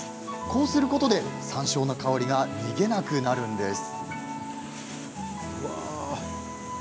こうすることで、山椒の香りが逃げなくなるんです。